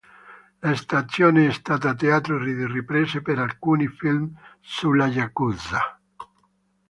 La stazione è stata teatro di riprese per alcuni film sulla Yakuza.